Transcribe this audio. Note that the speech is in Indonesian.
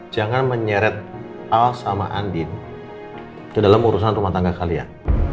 jangan menyeret al sama andin ke dalam urusan rumah tangga kalian